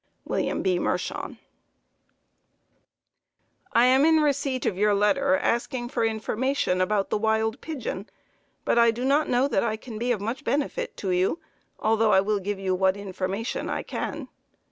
W. B. M. I am in receipt of your letter asking for information about the wild pigeon, but I do not know that I can be of much benefit to you, though I will give you what information I can.